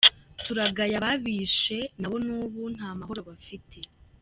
Turagaya ababishe, nabo n’ubu nta mahoro bafite.